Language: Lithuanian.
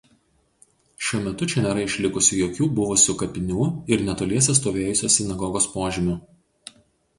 Šiuo metu čia nėra išlikusių jokių buvusių kapinių ir netoliese stovėjusios sinagogos požymių.